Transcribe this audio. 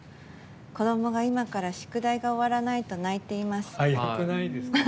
子どもが今から宿題が終わらないと早くないですか？